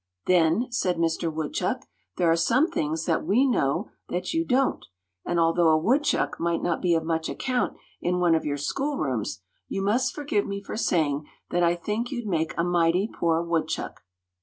"Then," said Mister Woodchuck, "there are some things that we know that you don't; and although a woodchuck might not be of much account in one of your schoolrooms, you must forgive me for saying that I think you'd make a mighty poor woodchuck."